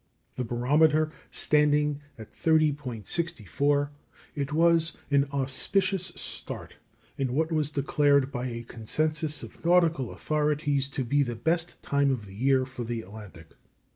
The barometer standing at 30.64, it was an auspicious start in what was declared by a consensus of nautical authorities to be the best time of the year for the Atlantic.